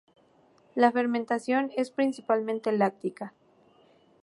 La fermentación es principalmente láctica.